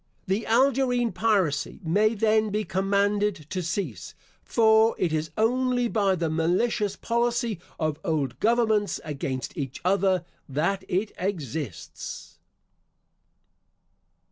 The Algerine piracy may then be commanded to cease, for it is only by the malicious policy of old governments, against each other, that it exists.